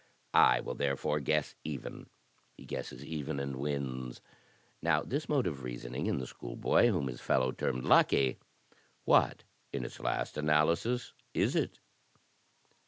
I will therefore guess even;* — he guesses even, and wins. Now this mode of reasoning in the schoolboy, whom his fellows termed 'lucky,' — what in its last analysis, is it?"